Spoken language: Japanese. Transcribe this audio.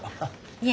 いえ。